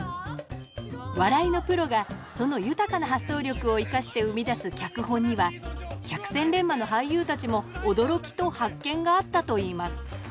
笑いのプロがその豊かな発想力を生かして生み出す脚本には百戦錬磨の俳優たちも驚きと発見があったといいます